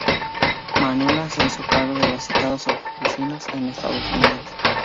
Manuela se hizo cargo de las citadas oficinas en Estados Unidos.